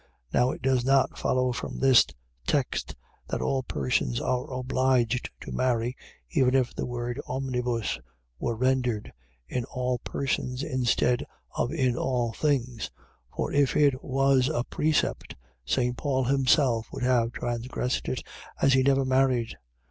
Now it does not follow from this text that all persons are obliged to marry, even if the word omnibus were rendered, in all persons, instead of in all things: for if it was a precept, St. Paul himself would have transgressed it, as he never married.